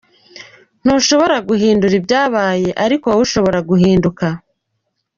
Ntushobora guhindura ibyabaye ariko wowe ushobora guhinduka.